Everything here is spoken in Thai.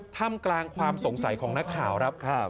ทำกลางความสงสัยของนักข่าวครับ